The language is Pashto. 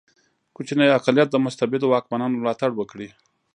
کوچنی اقلیت د مستبدو واکمنانو ملاتړ وکړي.